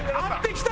きた！